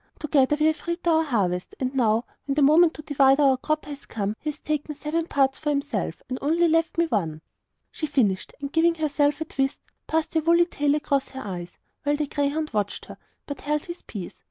Together we have reaped our harvest; and now, when the moment to divide our crop has come, he has taken seven parts for himself, and only left one for me.' She finished, and giving herself a twist, passed her woolly tail across her eyes; while the greyhound watched her, but held his peace.